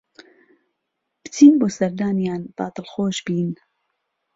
بچین بۆ سەردانیان با دڵخۆش بین